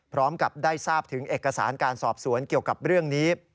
พร้อมกับได้ทราบถึงเอกสารการสอบสวนเกี่ยวกับเรื่องนี้